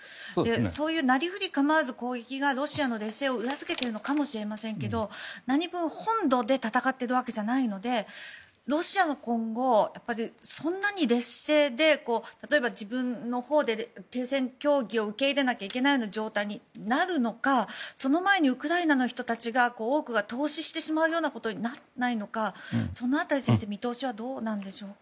そういうなりふり構わず攻撃がロシアの劣勢を裏付けているのかもしれませんが何分、本土で戦っているわけではないのでロシアが劣勢で自分のほうで停戦協議を受け入れなきゃいけない状態になるのかその前にウクライナの人たちが多くが凍死してしまうようなことにならないのかその辺り先生見通しはどうでしょう。